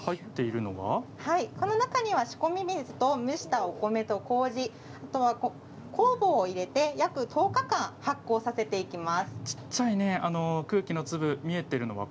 この中には仕込み水と蒸したお米とこうじ酵母を入れて約１０日間発酵させていきます。